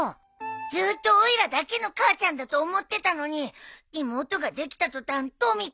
ずーっとおいらだけの母ちゃんだと思ってたのに妹ができた途端「とみ子とみ子」って。